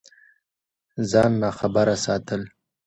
ځان ناخبره ساتل